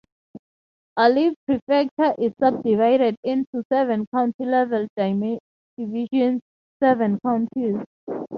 Ali Prefecture is subdivided into seven county-level divisions: seven counties.